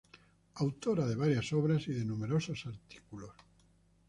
Autora de varias obras y de numerosos artículos.